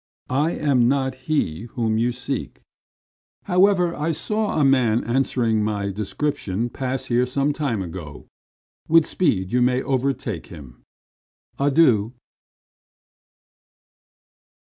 I am not he whom you seek. However, I saw a man answering my description pass here some time ago. With speed you may overtake him. Adieu."